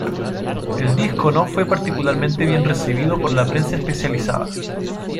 El disco no fue particularmente bien recibido por la prensa especializada.